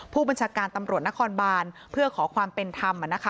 ผู้บัญชาการตำรวจนครบานเพื่อขอความเป็นธรรม